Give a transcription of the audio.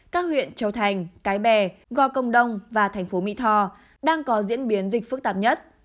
các huyện châu thành cái bè gò công đông và thành phố mỹ tho đang có diễn biến dịch phức tạp nhất